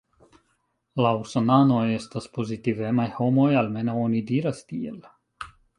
La Usonanoj estas pozitivemaj homoj, almenaŭ oni diras tiel.